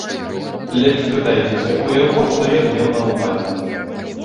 Лепш пытайцеся ў яго, што ён меў на ўвазе.